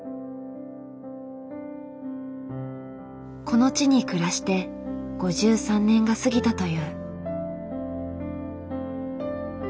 この地に暮らして５３年が過ぎたという。